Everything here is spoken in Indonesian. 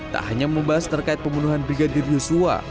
tak hanya membahas terkait pembunuhan brigadir yosua